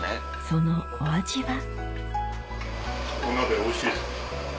そのお味は？